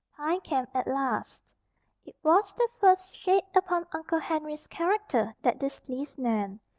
PINE CAMP AT LAST It was the first shade upon Uncle Henry's character that displeased Nan.